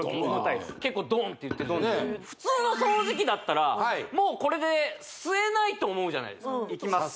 結構ドンっていってる普通の掃除機だったらもうこれで吸えないと思うじゃないですかいきます